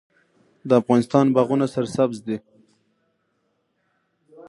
د افغانستان باغونه سرسبز دي